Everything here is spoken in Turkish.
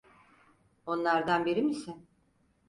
Onlardan biri misin?